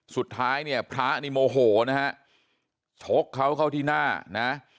สุดท้ายเนี่ยพระนี่โมโหนะฮะชกเขาเข้าที่หน้านะ